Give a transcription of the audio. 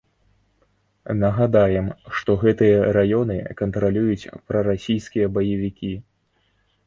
Нагадаем, што гэтыя раёны кантралююць прарасійскія баевікі.